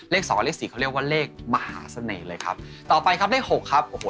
สองกับเลขสี่เขาเรียกว่าเลขมหาเสน่ห์เลยครับต่อไปครับเลขหกครับโอ้โห